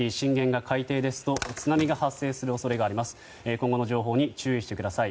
津波の情報にも注意してください。